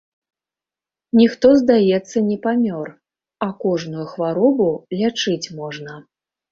Ніхто, здаецца, не памёр, а кожную хваробу лячыць можна.